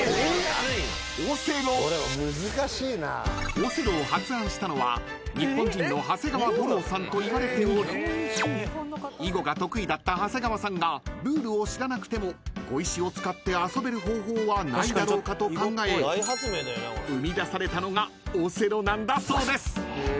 ［オセロを発案したのは日本人の長谷川五郎さんといわれており囲碁が得意だった長谷川さんがルールを知らなくても碁石を使って遊べる方法はないだろうかと考え生み出されたのがオセロなんだそうです］